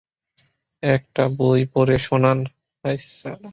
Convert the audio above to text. একটা বই পড়ে শোনান।